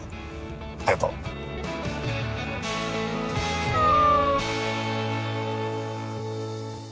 ありがとう。はあ。